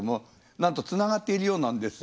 なんとつながっているようなんですよ。